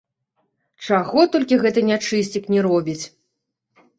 Чаго толькі гэты нячысцік не робіць!